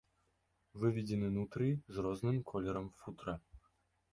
Выведзены нутрыі з розным колерам футра.